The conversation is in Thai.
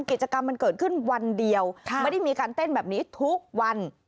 กิจกรรมมันเกิดขึ้นวันเดียวไม่ได้มีการเต้นแบบนี้ทุกวัน